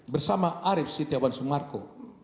bersama arief sitiwan sungarko